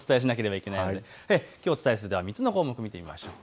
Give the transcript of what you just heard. お伝えする３つの項目、見ていきましょう。